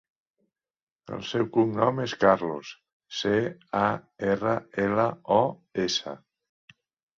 El seu cognom és Carlos: ce, a, erra, ela, o, essa.